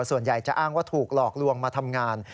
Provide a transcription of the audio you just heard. ส่วนใหญ่จะอ้างว่าถูกหลอกลวงมาทำงาน